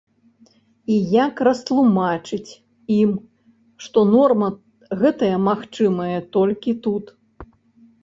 І як растлумачыць ім, што норма гэтая магчымая толькі тут?